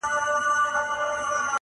ته مجرم یې ګناکاره یې هر چاته.